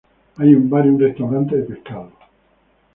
Hay un bar y un restaurante de pescado.